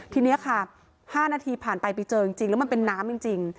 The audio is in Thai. ทีนี้ค่ะ๕นาทีผ่านไปไปเจอจริงแล้วมันเป็นน้ำจริง